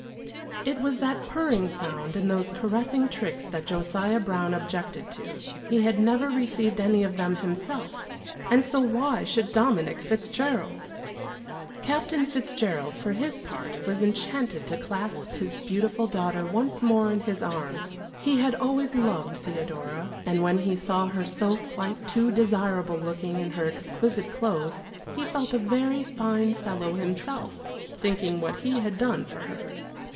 It was that purring sound and those caressing tricks that Josiah Brown objected to. He had never received any of them himself, and so why should Dominic Fitzgerald? Captain Fitzgerald, for his part, was enchanted to clasp his beautiful daughter once more in his arms; he had always loved Theodora, and when he saw her so quite too desirable looking in her exquisite clothes, he felt a very fine fellow himself, thinking what he had done for her.